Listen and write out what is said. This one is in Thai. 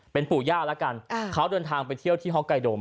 เป็นปู่ย่าแล้วกันเขาเดินทางไปเที่ยวที่ฮอกไกดม